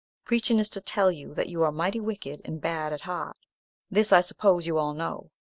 Preaching is to tell you that you are mighty wicked and bad at heart. This, I suppose, you all know.